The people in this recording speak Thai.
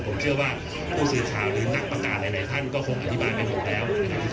ผมเชื่อว่าผู้สื่อข่าวหรือนักประกาศหลายท่านก็คงอธิบายกันหมดแล้วนะครับ